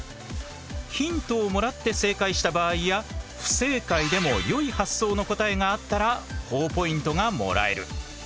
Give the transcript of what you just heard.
ヒントをもらって正解した場合や不正解でも良い発想の答えがあったらほぉポイントがもらえる。